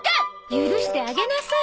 許してあげなさい。